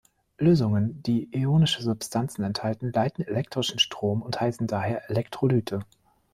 Lösungen, die ionische Substanzen enthalten, leiten elektrischen Strom und heißen daher Elektrolyte.